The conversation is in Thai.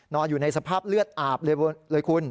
อยู่ในสภาพเลือดอาบเลยคุณ